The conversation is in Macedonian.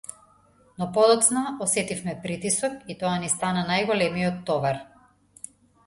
Но подоцна осетивме притисок и тоа ни стана најголемиот товар.